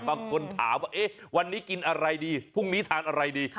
บางคนถามว่าวันนี้กินอะไรดีพรุ่งนี้ทานอะไรดี